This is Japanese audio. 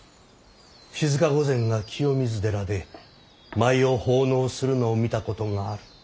静御前が清水寺で舞を奉納するのを見たことがある。